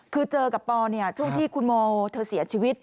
คือเจอกับปอช่วงที่คุณโมเธอเสียชีวิต